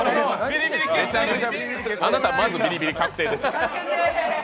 あなたますビリビリ確定です。